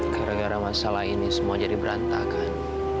karena masalah ini semua jadi berantakan